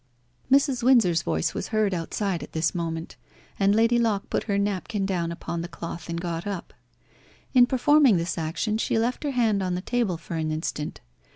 Mrs. Windsor's voice was heard outside at this moment, and Lady Locke put her napkin down upon the cloth and got up. In performing this action she left her hand on the table for an instant.